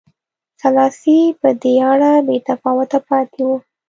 سلاسي په دې اړه بې تفاوته پاتې و.